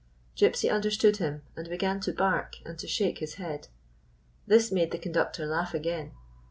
Gypsy understood him, and began to bark, and to shake his head. This made the conductor laugh again.